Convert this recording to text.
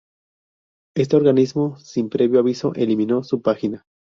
Este organismo sin previo aviso eliminó su página.